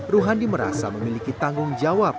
ruhandi merasa memiliki tanggung jawab